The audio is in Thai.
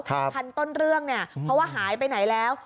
คันต้นเรื่องเนี่ยเพราะว่าหายไปไหนแล้ว